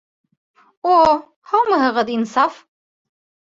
О, һаумыһығыҙ, Инсаф!